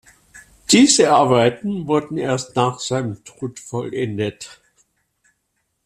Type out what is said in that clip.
Diese Arbeiten wurden erst nach seinem Tod vollendet.